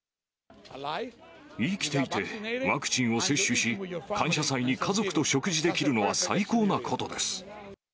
生きていてワクチンを接種し、感謝祭に家族と食事できるのは最高なことです。